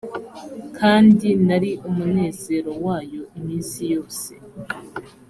kandi nari umunezero wayo iminsi yose